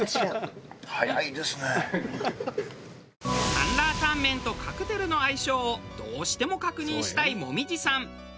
サンラータン麺とカクテルの相性をどうしても確認したい紅葉さん。